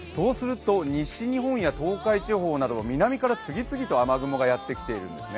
西日本や東海地方などは南から次々と雨雲がやってきてるんですね。